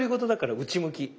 内向き。